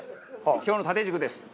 今日の縦軸です。